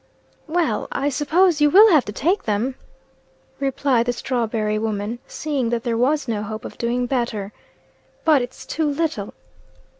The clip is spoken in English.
"Well, I suppose you will have to take them," replied the strawberry woman, seeing that there was no hope of doing better. "But it's too little."